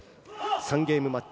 ３ゲームマッチ